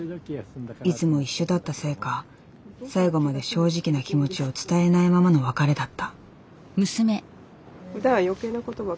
いつも一緒だったせいか最後まで正直な気持ちを伝えないままの別れだった。